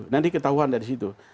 nanti ketahuan dari situ